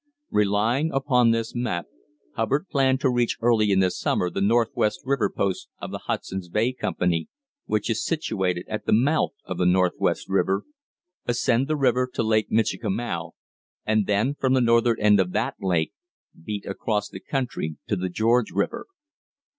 Relying upon this map, Hubbard planned to reach early in the summer the Northwest River Post of the Hudson's Bay Company, which is situated at the mouth of the Northwest River, ascend the river to Lake Michikamau, and then, from the northern end of that lake, beat across the country to the George River.